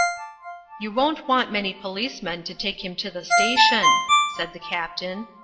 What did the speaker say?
"You won't want many policemen to take him to the station," said the Captain.